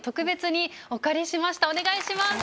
お願いします。